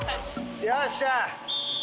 よっしゃ！